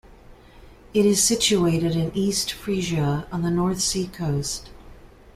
It is situated in East Frisia, on the North Sea coast.